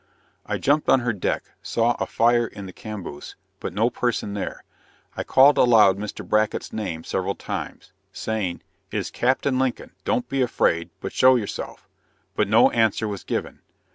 I jumped on her deck, saw a fire in the camboose, but no person there: I called aloud Mr. Bracket's name several times, saying "it is Captain Lincoln, don't be afraid, but show yourself," but no answer was given.